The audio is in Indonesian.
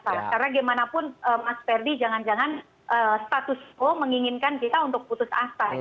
karena bagaimanapun mas verdi jangan jangan status quo menginginkan kita untuk putus asa